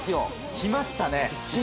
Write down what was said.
来ましたね！